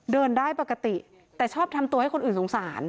เดินได้ปกติแต่ชอบทำตัวให้คนอื่นสงสาร